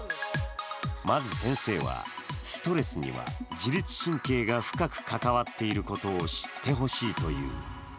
まず先生はストレスには自律神経が深く関わっていることを知ってほしいという。